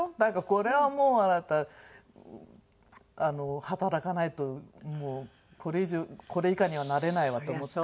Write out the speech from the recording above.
これはもうあなた働かないともうこれ以上これ以下にはなれないわと思って。